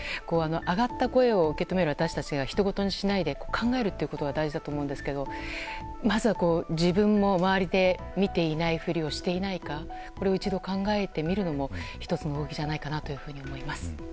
上がった声を受け止める私たちが人ごとにしないで考えることが重要だと思いますがまずは自分も周りで見ているふりをしていないかこれを一度考えてみるのも１つの動きじゃないかなと思います。